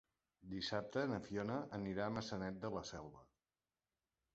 Dissabte na Fiona anirà a Maçanet de la Selva.